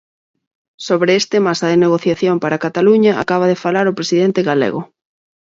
Sobre este masa de negociación para Cataluña acaba de falar o presidente galego.